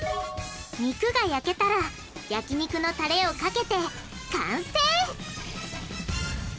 肉が焼けたら焼き肉のタレをかけて完成！